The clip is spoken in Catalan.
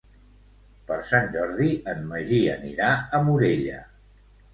Per Sant Jordi en Magí anirà a Morella.